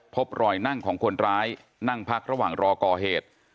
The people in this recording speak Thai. พบรอยนั่งของคนร้ายนั่งพักระหว่างรอก่อเหตุ